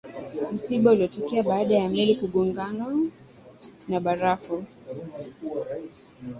msiba ulitokea baada ya meli kugongano na barafu